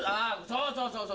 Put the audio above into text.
そうそうそう！